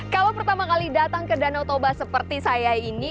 kalau pertama kali datang ke danau toba seperti saya ini